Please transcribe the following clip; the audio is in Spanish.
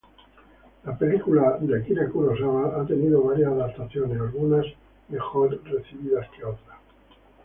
La película de Akira Kurosawa ha tenido varias adaptaciones, algunas mejor recibidas que otras.